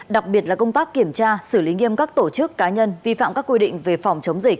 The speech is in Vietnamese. đặc biệt là công tác kiểm tra xử lý nghiêm các tổ chức cá nhân vi phạm các quy định về phòng chống dịch